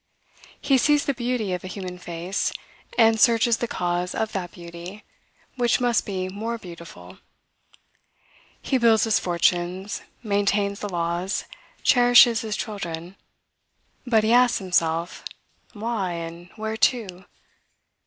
He sees the beauty of a human face, and searches the cause of that beauty, which must be more beautiful. He builds his fortunes, maintains the laws, cherishes his children; but he asks himself, why? and whereto?